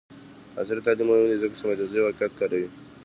عصري تعلیم مهم دی ځکه چې مجازی واقعیت کاروي.